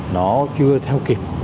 nó chưa theo kịp